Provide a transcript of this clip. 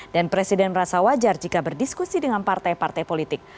dan presiden merasa wajar jika berdiskusi dengan partai partai politik